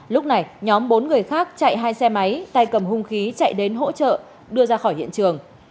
lúc này nhóm bốn người khác chạy hai xe máy tay cầm hung khí chạy đến hỗ trợ đưa ra khỏi hiện trường